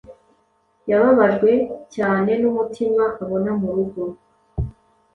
Yababajwe cyane numutima abona mu rugo